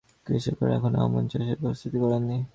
কৃষকেরা এখনো আমন চাষের জমি প্রস্তুত করেনি।